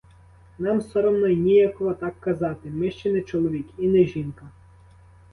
Нам соромно й ніяково так казати — ми ще не чоловік, і не жінка.